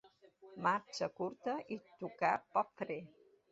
Marxa curta i tocar poc fre.